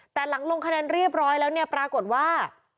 แต่หลังลงคะแนนเรียบร้อยแล้วเนี่ยปรากฏว่า